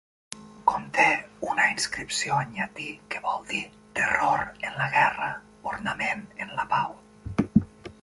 Conté una inscripció en llatí que vol dir "terror en la guerra, ornament en la pau".